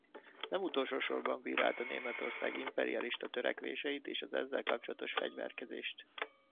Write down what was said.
Nem utolsósorban bírálta Németország imperialista törekvéseit és az ezzel kapcsolatos fegyverkezést.